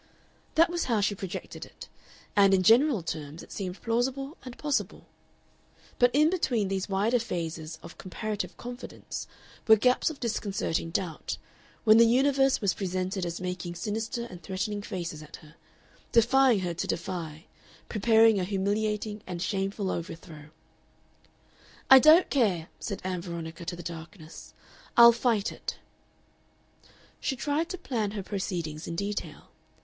That was how she projected it, and in general terms it seemed plausible and possible. But in between these wider phases of comparative confidence were gaps of disconcerting doubt, when the universe was presented as making sinister and threatening faces at her, defying her to defy, preparing a humiliating and shameful overthrow. "I don't care," said Ann Veronica to the darkness; "I'll fight it." She tried to plan her proceedings in detail.